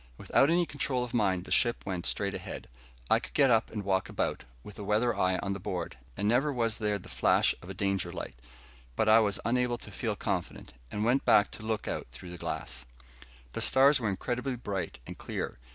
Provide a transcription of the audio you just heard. Without any control of mine, the ship went straight ahead. I could get up and walk about, with a weather eye on the board, and never was there the flash of a danger light. But I was unable to feel confident, and went back to look out through the glass. The stars were incredibly bright and clear.